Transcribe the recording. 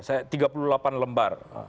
saya tiga puluh delapan lembar